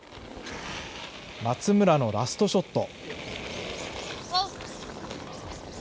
松村のラストショット。